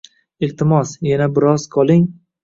Iltimos, yana biroz qoling.